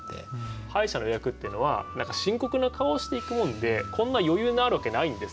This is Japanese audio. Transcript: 歯医者の予約っていうのは深刻な顔して行くもんでこんな余裕のあるわけないんですよ。